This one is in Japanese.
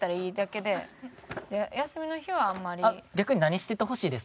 休みの日はあんまり？